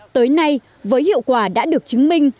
tới nay với hiệu quả đã được chứng minh